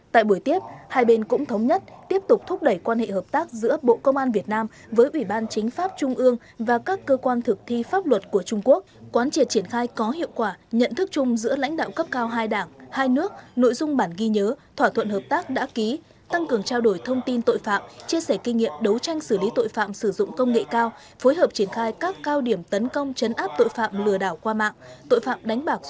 tại buổi tiếp hai bên cũng thống nhất tiếp tục thúc đẩy quan hệ hợp tác giữa bộ công an việt nam với ủy ban chính pháp trung ương và các cơ quan thực thi pháp luật của trung quốc quán triển triển khai có hiệu quả nhận thức chung giữa lãnh đạo cấp cao hai đảng hai nước nội dung bản ghi nhớ thỏa thuận hợp tác đã ký tăng cường trao đổi thông tin tội phạm chia sẻ kinh nghiệm đấu tranh xử lý tội phạm sử dụng công nghệ cao phối hợp triển khai các cao điểm tấn công chấn áp tội phạm lừa đảo qua mạng tội phạm đánh bạ